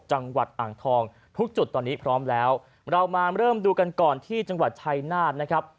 จังหวัดอ่างทองทุกจุดตอนนี้พร้อมแล้วเรามาเริ่มดูกันก่อนที่จังหวัดชัยนาธนะครับ